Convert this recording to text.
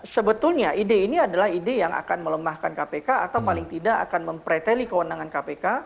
sebetulnya ide ini adalah ide yang akan melemahkan kpk atau paling tidak akan mempreteli kewenangan kpk